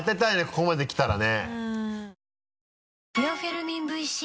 ここまで来たらね。